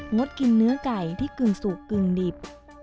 ดกินเนื้อไก่ที่กึ่งสุกกึ่งดิบ